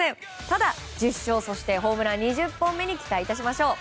ただ、１０勝そしてホームラン２０本目に期待いたしましょう。